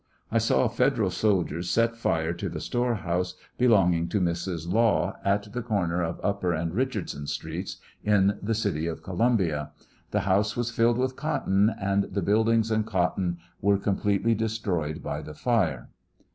I saw Federal soldiers set fire to the store house belonging to Mrs. Law, at the corner of Upper and Eichardson streets, in the city of Columbia. The house was filled with cotton, an.d the building and cot ton were completely destroyed by the fire.